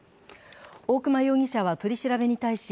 大熊容疑者は取り調べに対し、